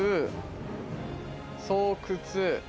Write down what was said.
巣窟。